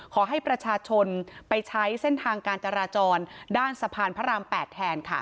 ขอให้ประชาชนไปใช้เส้นทางการจราจรด้านสะพานพระราม๘แทนค่ะ